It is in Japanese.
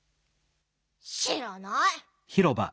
しらない！